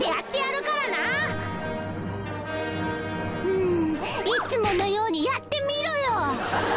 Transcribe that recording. うーんいつものようにやってみろよ！